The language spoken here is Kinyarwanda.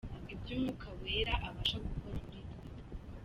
Ibyo Umwuka Wera abasha gukora muri twe:.